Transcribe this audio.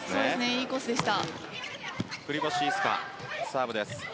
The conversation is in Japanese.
いいコースでした。